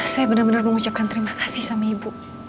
saya benar benar mengucapkan terima kasih sama ibu